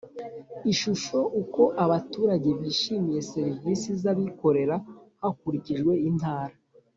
Ishusho Uko abaturage bishimiye serivisi z abikorera hakurijijwe intara